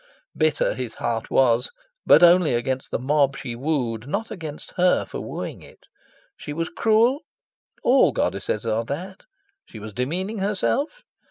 Bitter his heart was, but only against the mob she wooed, not against her for wooing it. She was cruel? All goddesses are that. She was demeaning herself?